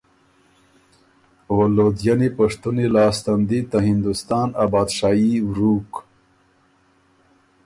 او لودهئنی پشتُنی لاسته ن دی ته هندستان ا بادشايي ورُوک،